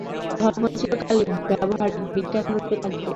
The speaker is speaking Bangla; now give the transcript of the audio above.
ধর্ম চিরকালই ব্যাবহারিক বিজ্ঞানরূপে থাকিবে।